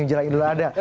menjelang itu ada